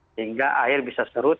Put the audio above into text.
sehingga air bisa serut